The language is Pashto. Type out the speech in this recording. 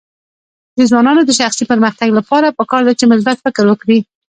د ځوانانو د شخصي پرمختګ لپاره پکار ده چې مثبت فکر وکړي.